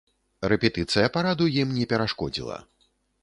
Рэпетыцыя параду ім не перашкодзіла.